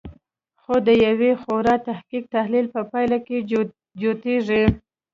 خو د یوه خورا دقیق تحلیل په پایله کې جوتېږي